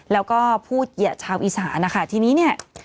แล้วก็พูดเหยียดชาวอีสานนะคะทีนี้เนี่ย